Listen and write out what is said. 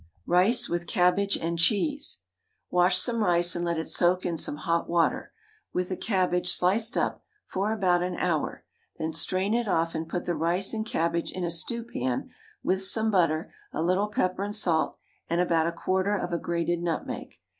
RICE WITH CABBAGE AND CHEESE. Wash some rice and let it soak in some hot water, with a cabbage sliced up, for about an hour; then strain it off and put the rice and cabbage in a stew pan with some butter, a little pepper and salt, and about a quarter of a grated nutmeg.